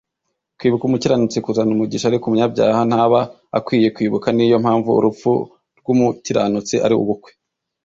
Kwibuka umukiranutsi kuzana umugisha Ariko umunyabyaha ntaba akwiye kwibuka niyo mpamvu urupfu rwumukiranutsi ari ubukwe.